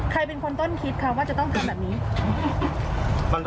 ใครเป็นคนต้นคิดคะว่าจะต้องทำแบบนี้